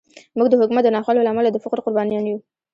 موږ د حکومت د ناخوالو له امله د فقر قربانیان یو.